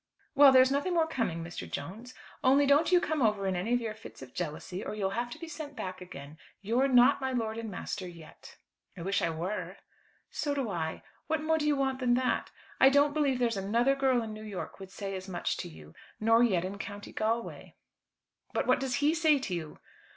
"Well! There's nothing more coming, Mr. Jones. Only don't you come over in any of your fits of jealousy, or you'll have to be sent back again. You're not my lord and master yet." "I wish I were." "So do I. What more do you want than that? I don't believe there's another girl in New York would say as much to you, nor yet in County Galway." "But what does he say to you?"